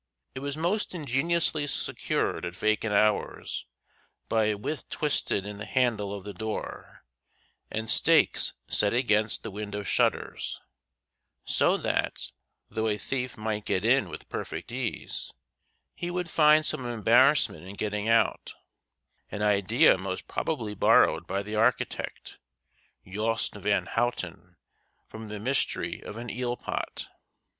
It was most ingeniously secured at vacant hours by a withe twisted in the handle of the door and stakes set against the window shutters, so that, though a thief might get in with perfect ease, he would find some embarrassment in getting out an idea most probably borrowed by the architect, Yost Van Houten, from the mystery of an eel pot.